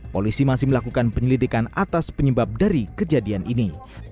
polisi masih melakukan penyelidikan atas penyebab dari kejadian ini